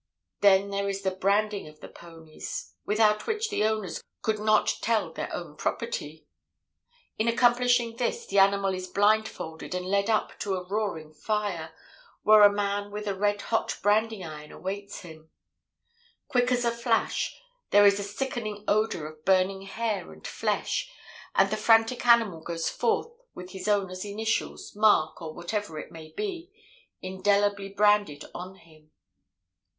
Then there is the branding of the ponies, without which the owners could not tell their own property. In accomplishing this, the animal is blindfolded and led up to a roaring fire, where a man with a red hot branding iron awaits him. Quick as a flash, there is a sickening odor of burning hair and flesh, and the frantic animal goes forth with his owner's initials, mark or whatever it may be, indelibly branded on him.